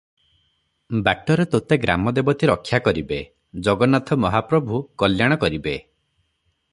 ବାଟରେ ତୋତେ ଗ୍ରାମଦେବତୀ ରକ୍ଷା କରିବେ, ଜଗନ୍ନାଥ ମହାପ୍ରଭୁ କଲ୍ୟାଣ କରିବେ ।